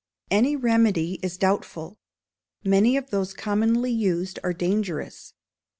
Any remedy is doubtful; many of those commonly used are dangerous.